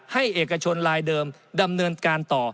เอกชนลายเดิมดำเนินการต่อ